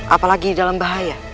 apalagi di dalam bahaya